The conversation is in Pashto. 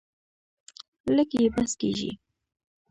لږ یې بس کیږي.